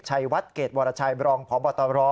ชัยวัดเกตบรรชายรองพบ